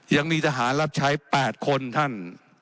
ยังมีทหารรับใช้๘คนท่าน